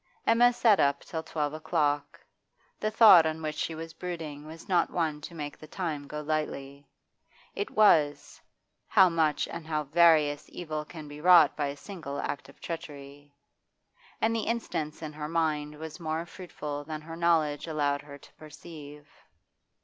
Emma sat up till twelve o'clock. The thought on which she was brooding was not one to make the time go lightly; it was how much and how various evil can be wrought by a single act of treachery. And the instance in her mind was more fruitful than her knowledge allowed her to perceive.